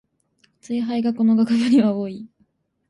ツイ廃がこの学部には多い